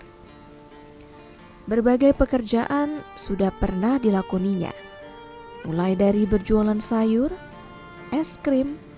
hai berbagai pekerjaan sudah pernah dilakoni nya mulai dari berjualan sayur es krim